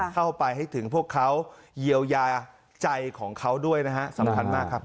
เข้าไปให้ถึงพวกเขาเยียวยาใจของเขาด้วยนะฮะสำคัญมากครับ